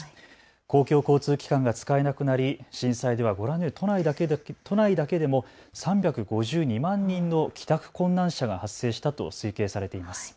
公共交通機関が使えなくなり震災ではご覧のように都内だけでも３５２万人の帰宅困難者が発生したと推計されています。